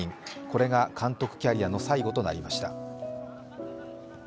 これが監督キャリアの最後となりました。